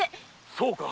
そうか。